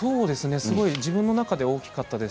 自分の中で大きかったです。